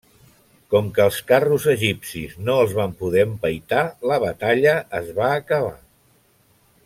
Com que els carros egipcis no els van poder empaitar la batalla es va acabar.